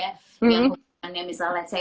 yang hubungannya misalnya let's say